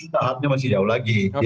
tahapnya masih jauh lagi